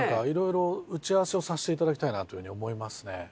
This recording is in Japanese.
いろいろ打ち合わせをさせていただきたいなというふうに思いますね。